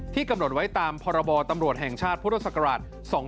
ที่กำหนดไว้ตามพบตำรวจแห่งชาติพศ๒๕๖๕